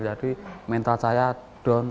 jadi mental saya down